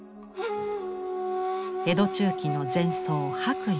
江戸中期の禅僧白隠。